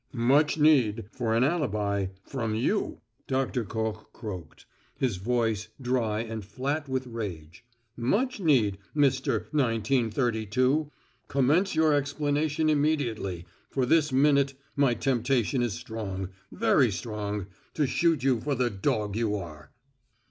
"Much need for an alibi from you!" Doctor Koch croaked, his voice dry and flat with rage. "Much need, Mister Nineteen Thirty two. Commence your explanation immediately, for this minute my temptation is strong very strong to shoot you for the dog you are."